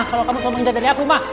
kalau kamu ngomongin dari aku ma